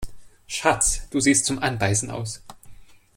Schatz, du siehst zum Anbeißen aus!